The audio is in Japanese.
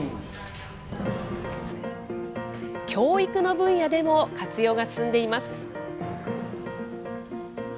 教育の分野でも活用が進んでいます。